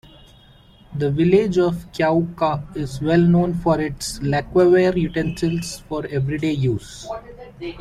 The village of Kyaukka is well known for its lacquerware utensils for everyday use.